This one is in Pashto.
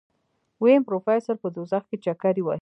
ويم پروفيسر په دوزخ کې چکرې وهي.